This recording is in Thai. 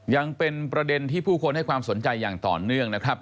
ยังเป็นประเด็นที่ผู้คนให้ความสนใจอย่างต่อเนื่องนะครับ